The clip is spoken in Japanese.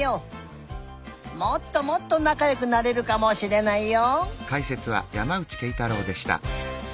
もっともっとなかよくなれるかもしれないよ！